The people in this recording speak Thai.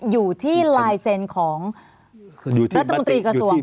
อยู่ที่ลายเซ็นต์ของรัฐมนตรีกระทรวง